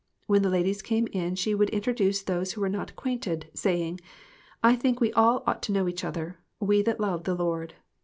When the ladies came in she would introduce those who were not acquainted, saying "I think we all ought to know each other we that love the Lord."